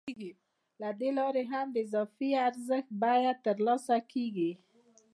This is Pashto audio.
له دې لارې هم د اضافي ارزښت بیه ترلاسه کېږي